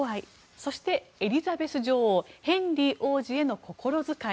そして、エリザベス女王ヘンリー王子への心遣い。